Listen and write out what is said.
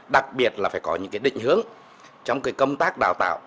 đặc biệt là phải có những cái định hướng trong cái công tác đào tạo